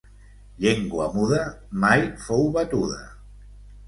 Llengua muda mai fou batuda.